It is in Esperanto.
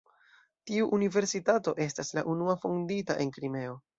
Tiu universitato estas la unua fondita en Krimeo.